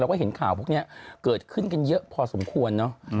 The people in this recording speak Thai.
ก็เห็นข่าวพวกนี้เกิดขึ้นกันเยอะพอสมควรเนอะ